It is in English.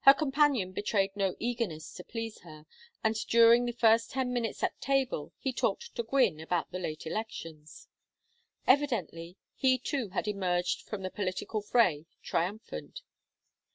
Her companion betrayed no eagerness to please her; and during the first ten minutes at table he talked to Gwynne about the late elections. Evidently, he too had emerged from the political fray triumphant.